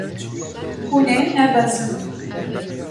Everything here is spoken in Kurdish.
Hûn ê nebezin.